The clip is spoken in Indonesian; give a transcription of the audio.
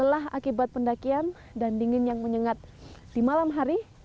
keuntungan yang menyebabkan pendakian dan dingin yang menyengat di malam hari